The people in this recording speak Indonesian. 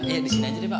iya disini aja deh pak